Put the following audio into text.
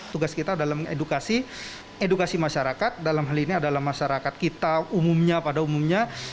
tugas kita adalah mengedukasi edukasi masyarakat dalam hal ini adalah masyarakat kita umumnya pada umumnya